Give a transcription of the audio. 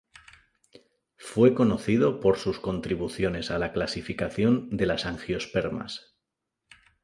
Fue conocido por sus contribuciones a la clasificación de las angiospermas.